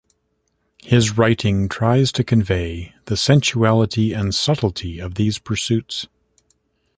His writing tries to convey the sensuality and subtlety of these pursuits.